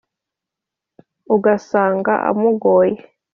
Ugasanga amugoye